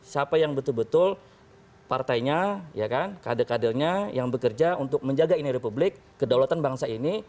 siapa yang betul betul partainya kader kadernya yang bekerja untuk menjaga ini republik kedaulatan bangsa ini